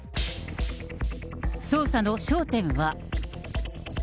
捜査の焦点は。